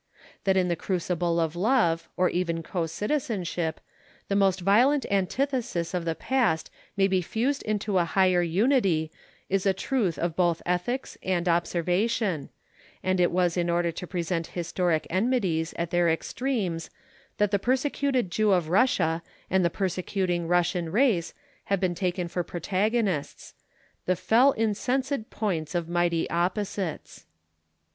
That in the crucible of love, or even co citizenship, the most violent antitheses of the past may be fused into a higher unity is a truth of both ethics and observation, and it was in order to present historic enmities at their extremes that the persecuted Jew of Russia and the persecuting Russian race have been taken for protagonists "the fell incensèd points of mighty opposites."